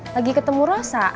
lagi ketemu rosa